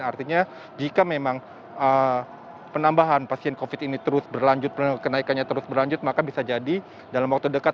artinya jika memang penambahan pasien covid ini terus berlanjut kenaikannya terus berlanjut maka bisa jadi dalam waktu dekat